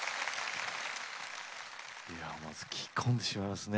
いやあ思わず聴き込んでしまいますね。